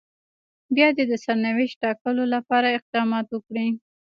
بيا دې د سرنوشت ټاکلو لپاره اقدامات وکړي.